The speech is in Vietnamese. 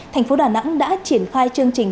thành phố đà nẵng đã triển khai chương trình